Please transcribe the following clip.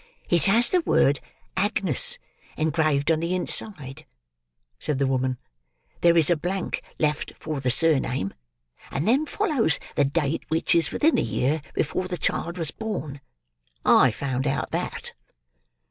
"It has the word 'Agnes' engraved on the inside," said the woman. "There is a blank left for the surname; and then follows the date; which is within a year before the child was born. I found out that."